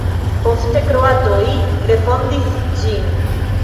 Poste kroatoj refondis ĝin.